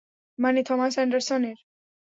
মানে, থমাস অ্যান্ডারসনের?